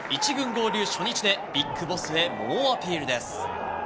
１軍合流初日で、ビッグボスへ猛アピールです。